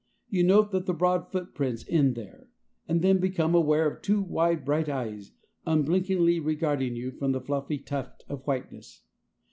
You note that the broad footprints end there, and then become aware of two wide, bright eyes, unblinkingly regarding you from the fluffy tuft of whiteness.